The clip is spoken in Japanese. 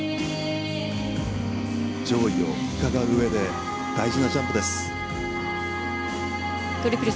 上位をうかがううえで大事なジャンプ。